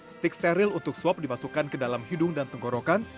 stik steril untuk swab dimasukkan ke dalam hidung dan tenggorokan